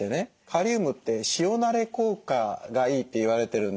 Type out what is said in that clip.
カリウムって塩なれ効果がいいって言われてるんです。